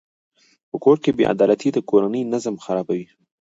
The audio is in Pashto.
په کور کې بېعدالتي د کورنۍ نظام خرابوي.